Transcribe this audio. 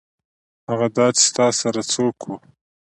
هغه دا چې ستا سره څوک وو.